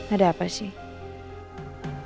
ada apa sih